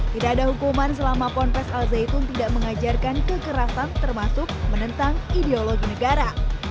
tidak ada hukuman selama ponpes al zaitun tidak mengajarkan kekerasan termasuk menentang ideologi negara